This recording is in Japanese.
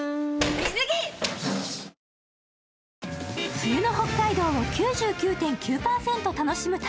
冬の北海道を９９．９％楽しむ旅。